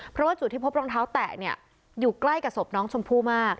เพราะว่าจุดที่พบรองเท้าแตะเนี่ยอยู่ใกล้กับศพน้องชมพู่มาก